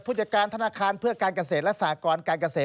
ผู้จัดการธนาคารเพื่อการเกษตรและสากรการเกษตร